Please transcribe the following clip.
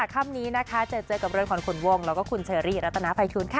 ค่ำนี้นะคะเจอกับเรือนขวัญขุนวงแล้วก็คุณเชอรี่รัตนาภัยทูลค่ะ